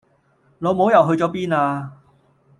老母又去咗邊呀